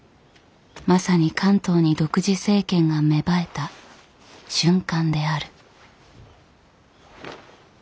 まさに関東に独自政権が芽生えた瞬間である。